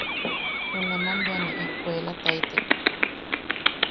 Junaman bea ne ejkuelataitek.